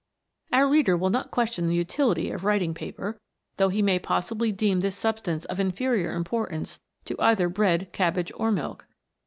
Our reader will not question the utility of writing paper, though he may possibly deem this substance of inferior importance to either bread, cabbage, or milk.